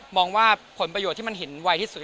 มองว่าผลประโยชน์ที่มันเห็นไวที่สุด